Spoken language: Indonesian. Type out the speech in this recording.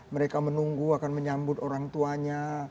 mereka menunggu akan menyambut orang tuanya